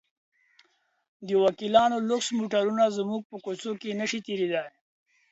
د وکیلانو لوکس موټرونه زموږ په کوڅه کې نه شي تېرېدلی.